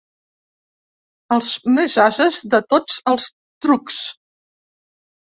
Els més ases de tots els trucs.